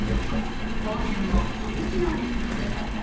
後編も気づきの連続。